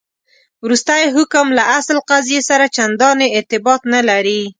وروستی حکم له اصل قضیې سره چنداني ارتباط نه لري.